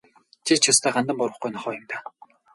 Чи ч ёстой гандан буурахгүй нохой юм даа.